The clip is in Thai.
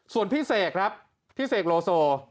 ส่วนพี่เสกครับพี่เสกโลโซ